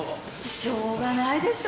しょうがないでしょ。